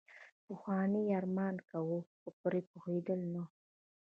پخوانیو يې ارمان کاوه خو پرې پوهېدل نه.